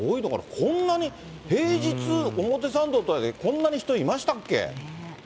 こんなに、平日、表参道ってこんなに人いましたっけ？